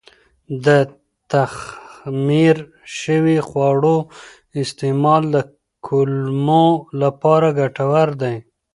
د تخمیر شوي خواړو استعمال د کولمو لپاره ګټور دی.